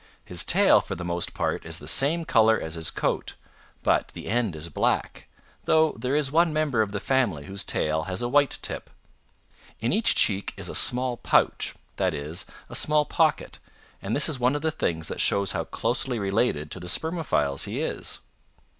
His tail for the most part is the same color as his coat, but the end is black, though there is one member of the family whose tail has a white tip. In each cheek is a small pouch, that is, a small pocket, and this is one of the things that shows how closely related to the Spermophiles he is.